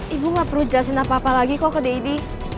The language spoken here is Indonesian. ibu gak perlu jelasin apa apa lagi kok ke deddy